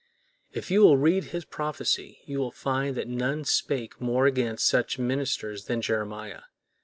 If you will read his prophecy, you will find that none spake more against such ministers than Jeremiah.